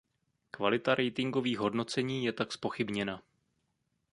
Kvalita ratingových hodnocení je tak zpochybněna.